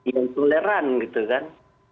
yang toleran gitu kan